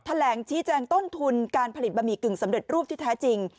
แถลงชี้แจงต้นทุนการผลิตบะหมี่กึ่งสำเร็จรูปที่แท้จริง